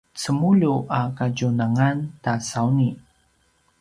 cemulju a kadjunangan ta sauni